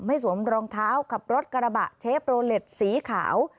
สวมรองเท้าขับรถกระบะเชฟโรเล็ตสีขาว